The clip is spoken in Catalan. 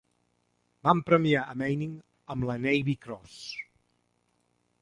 Van premiar a Manning amb la "Navy Cross".